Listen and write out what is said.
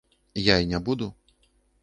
Я і не буду.